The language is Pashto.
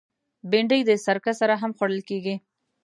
بېنډۍ د سرکه سره هم خوړل کېږي